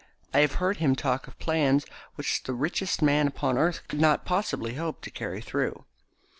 I have heard him talk of plans which the richest man upon earth could not possibly hope to carry through."